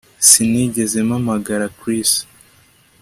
Sinigeze mpamagara Chris